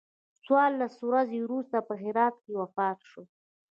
څوارلس ورځې وروسته په هرات کې وفات شو.